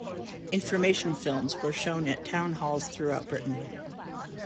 Information films were shown at town halls throughout Britain.